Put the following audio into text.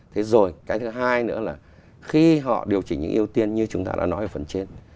thế rồi cái thứ hai nữa là khi họ điều chỉnh những ưu tiên như chúng ta đã nói ở phần trên